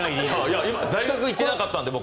僕大学、行ってなかったんで。